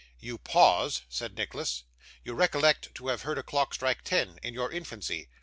'You pause,' said Nicholas; 'you recollect to have heard a clock strike ten in your infancy.